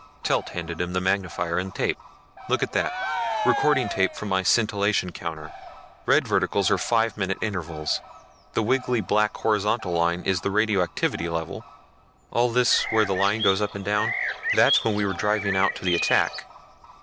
Telt handed him the magnifier and tape. "Look at that recording tape from my scintillation counter. Red verticals are five minute intervals, the wiggly black horizontal line is the radioactivity level. All this where the line goes up and down, that's when we were driving out to the attack.